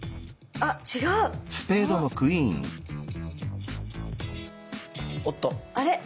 あれ？